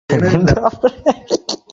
একজন মহিলা যে আমার মা নয়।